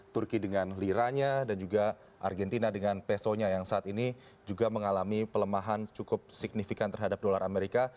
turki dengan liranya dan juga argentina dengan pesonya yang saat ini juga mengalami pelemahan cukup signifikan terhadap dolar amerika